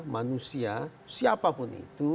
manusia siapa pun itu